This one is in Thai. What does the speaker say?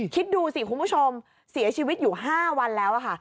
คิดดูสิคุณผู้ชมเสียชีวิตอยู่๕วันแล้วค่ะ